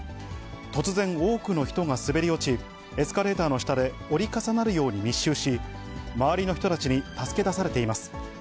突然、多くの人が滑り落ち、エスカレーターの下で折り重なるように密集し、周りの人たちに助け出されています。